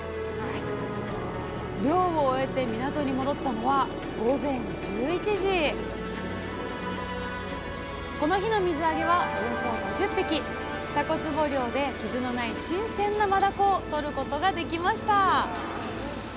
漁を終えて港に戻ったのはこの日の水揚げはたこつぼ漁で傷のない新鮮なマダコをとることができました。